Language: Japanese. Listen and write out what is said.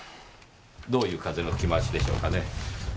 どういう風の吹き回しでしょうかね？